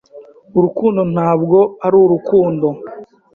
Urukundo Ntabwo ari Urukundo